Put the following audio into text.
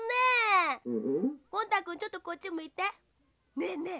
ねえねえ。